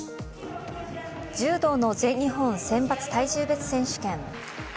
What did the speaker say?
柔道の全日本選抜体重別選手権。